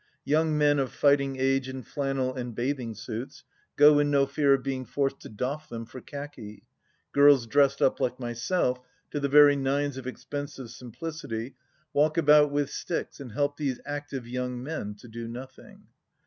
Young men of fighting age in flannel and bathing suits, go in no fear of being forced to doff them for khaki; girls dressed up, like myself, to the very nines of expensive simplicity, walk about with sticks and help these active young men to do nothing.